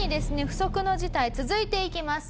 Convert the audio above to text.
不測の事態続いていきます。